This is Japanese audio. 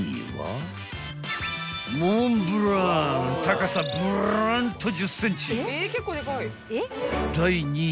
［高さブランと１０ｃｍ］